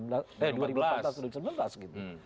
kalau yang dipercaya sudah dipercaya